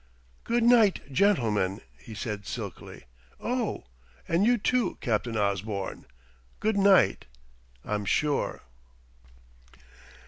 "Good night, gentlemen," he said silkily. "Oh, and you, too, Captain Osborne good night, I'm sure."